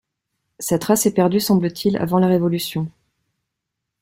Sa trace est perdue semble-t-il avant la révolution.